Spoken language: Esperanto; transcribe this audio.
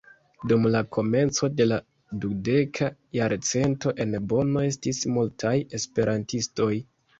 Dum la komenco de la dudeka jarcento en Bono estis multaj esperantistoj.